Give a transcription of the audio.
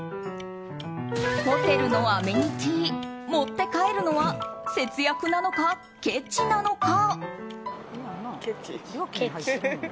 ホテルのアメニティー持って帰るのは節約なのか、けちなのか？